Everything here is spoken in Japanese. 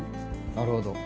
なるほど。